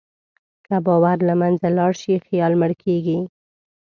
که باور له منځه لاړ شي، خیال مړ کېږي.